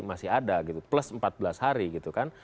ada plus empat belas hari gitu kan